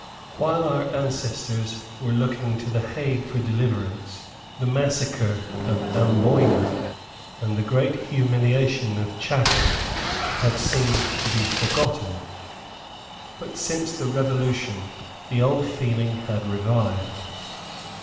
While our ancestors were looking to the Hague for deliverance, the massacre of Amboyna and the great humiliation of Chatham had seemed to be forgotten. But since the Revolution the old feeling had revived.